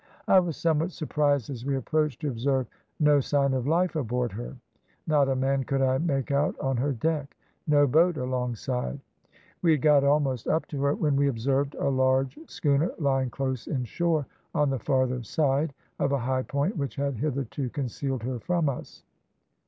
I was somewhat surprised as we approached to observe no sign of life aboard her; not a man could I make out on her deck, no boat alongside. We had got almost up to her when we observed a large schooner lying close in shore on the farther side of a high point which had hitherto concealed her from us.